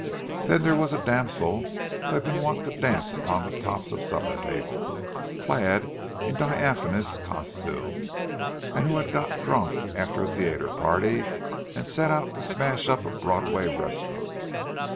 Then there was a damsel who had been wont to dance upon the tops of supper tables, clad in diaphanous costume; and who had got drunk after a theatre party, and set out to smash up a Broadway restaurant.